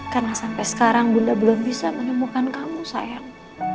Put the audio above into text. karena sampai sekarang bunda belum bisa menemukan kamu sayang